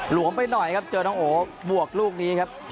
วมไปหน่อยครับเจอน้องโอหมวกลูกนี้ครับ